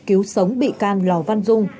cứu sống bị can lò văn dung